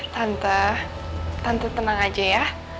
tante tante tenang aja ya